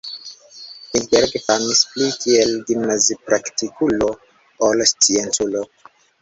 Ilberg famis pli kiel gimnazipraktikulo ol scienculo.